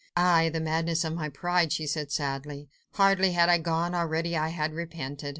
"Aye! the madness of my pride!" she said sadly. "Hardly had I gone, already I had repented.